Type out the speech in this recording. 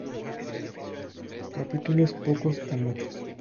Capítulos pocos a muchos.